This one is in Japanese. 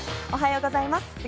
おはようございます。